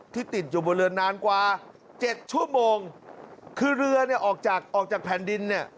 ติดอยู่บนเรือนานกว่าเจ็ดชั่วโมงคือเรือเนี่ยออกจากออกจากแผ่นดินเนี่ย